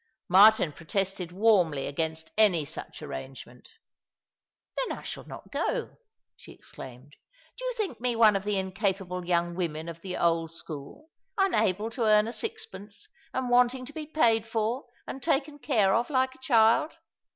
]\Iartin protested warmly against any such arrangement. " Then I shall not go," she exclaimed. " Do yon think me one of the incapable young women of the old school — unable to earn a sixpence, and wanting to be paid for and taken care of like a child